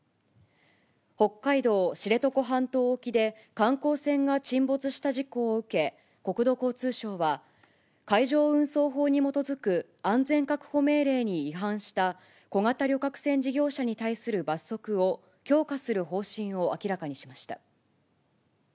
北海道知床半島沖で観光船が沈没した事故を受け、国土交通省は、海上運送法に基づく安全確保命令に違反した小型旅客船事業者に対する罰則を強化する方針を明らかにしました。